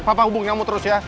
papa hubungi kamu terus ya